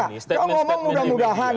enggak kau ngomong mudah mudahan